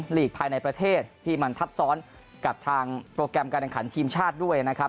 ลีกภายในประเทศที่มันทับซ้อนกับทางโปรแกรมการแข่งขันทีมชาติด้วยนะครับ